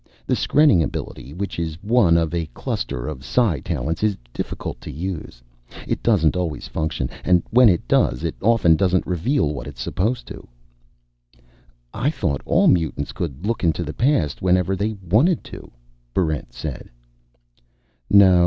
"The skrenning ability, which is one of a cluster of psi talents, is difficult to use. It doesn't always function. And when it does function, it often doesn't reveal what it's supposed to." "I thought all mutants could look into the past whenever they wanted to," Barrent said.